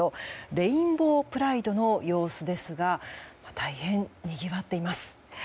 レインボープライドの様子ですが大変にぎわっています。